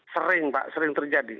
sering pak sering terjadi